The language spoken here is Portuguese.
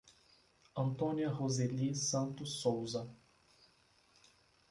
Antônia Roseli Santos Souza